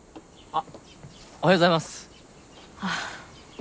ああおはようございます。